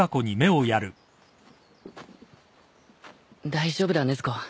大丈夫だ禰豆子。